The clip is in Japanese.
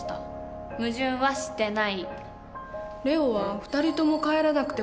矛盾はしてない。